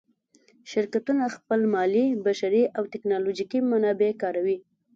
شرکتونه خپل مالي، بشري او تکنالوجیکي منابع کاروي.